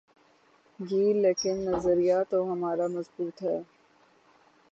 گی لیکن نظریہ تو ہمارا مضبوط ہے۔